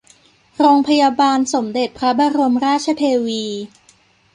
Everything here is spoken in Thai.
โรงพยาบาลสมเด็จพระบรมราชเทวี